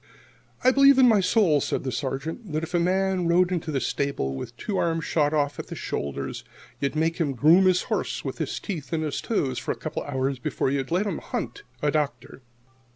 "I believe in my soul," said the Sergeant, "that if a man rode into this stable with his two arms shot off at the shoulder, you'd make him groom his horse with his teeth and his toes for a couple of hours before you'd let him hunt a doctor."